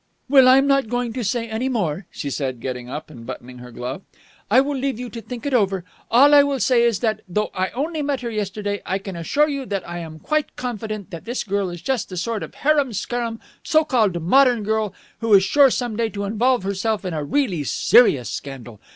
"Well, I am not going to say any more," she said, getting up and buttoning her glove. "I will leave you to think it over. All I will say is that, though I only met her yesterday, I can assure you that I am quite confident that this girl is just the sort of harum scarum so called 'modern' girl who is sure some day to involve herself in a really serious scandal.